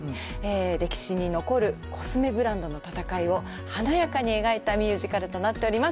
歴史に残るコスメブランドの戦いを華やかに描いたミュージカルとなっております。